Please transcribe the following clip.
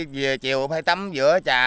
về chiều cũng phải tắm giữa trà